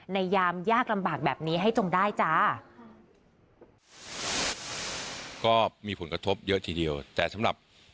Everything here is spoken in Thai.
ในยามยากลำบากแบบนี้ให้จงได้จ๊ะ